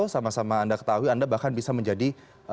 sama sama anda ketahui anda bahkan bisa menjadi